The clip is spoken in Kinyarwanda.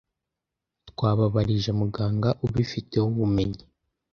Twababarije muganga ubifiteho ubumenyi